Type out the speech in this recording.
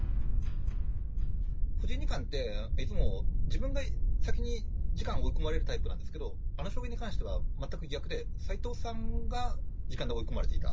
藤井二冠って、いつも自分が先に時間を追い込まれるタイプなんですけど、あの将棋に関しては全く逆で、斎藤さんが時間で追い込まれていた。